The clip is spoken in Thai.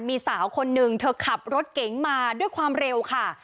มีสาวคนนึงเธอขับรถเก๋งมาด้วยความเร็วค่ะ